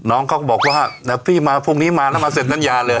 น้องเขาก็บอกว่าเดี๋ยวพี่มาพรุ่งนี้มาแล้วมาเสร็จสัญญาเลย